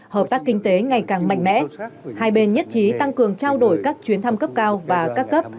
hợp tác kinh tế ngày càng mạnh mẽ hai bên nhất trí tăng cường trao đổi các chuyến thăm cấp cao và các cấp